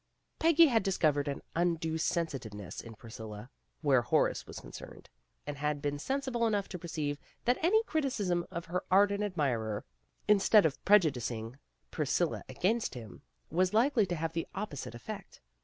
Peggy had discovered an undue sensitiveness in Priscilla, where Horace was concerned, and had been sensible enough to perceive that any criticism of her ardent admirer, instead of prejudicing Priscilla against him, was likely to have the opposite effect.